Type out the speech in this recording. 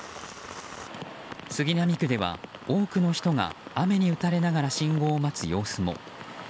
杉並区では多くの人が雨に打たれながら信号を待つ様子も。